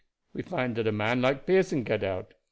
We find dat a man like Pearson get out.